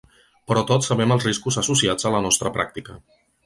Però tots sabem els riscos associats a la nostra pràctica.